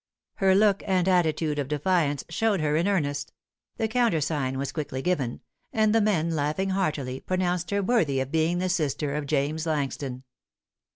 _" Her look and attitude of defiance showed her in earnest; the countersign was quickly given; and the men, laughing heartily, pronounced her worthy of being the sister of James Langston.